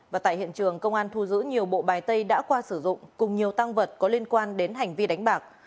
và tại hiện trường công an thu giữ nhiều bộ bài tay đã qua sử dụng cùng nhiều tăng vật có liên quan đến hành vi đánh bạc